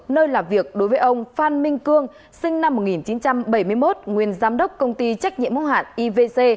nơi làm việc đối với ông phan minh cương sinh năm một nghìn chín trăm bảy mươi một nguyên giám đốc công ty trách nhiệm mô hạn ivc